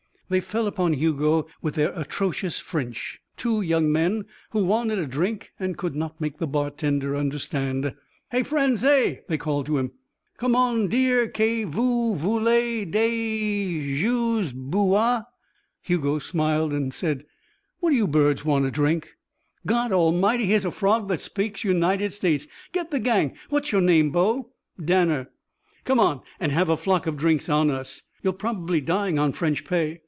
They fell upon Hugo with their atrocious French two young men who wanted a drink and could not make the bar tender understand. "Hey, fransay," they called to him, "comment dire que nous voulez des choses boire?" Hugo smiled. "What do you birds want to drink?" "God Almighty! Here's a Frog that speaks United States. Get the gang. What's your name, bo?" "Danner." "Come on an' have a flock of drinks on us. You're probably dying on French pay.